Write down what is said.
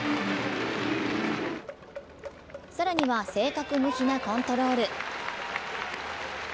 更には正確無比なコントロール。